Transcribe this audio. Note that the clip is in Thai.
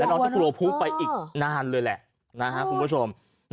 แล้วน้องจะกลัวพุ้งไปอีกนานเลยแหละคุณผู้ชม